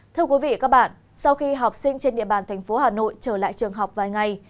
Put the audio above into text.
thưa quý vị và các bạn sau khi học sinh trên địa bàn thành phố hà nội trở lại trường học vài ngày